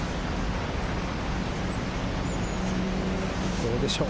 どうでしょう？